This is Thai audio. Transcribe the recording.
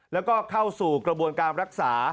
แล้วก็เข้าสู่กระบวนการรักษา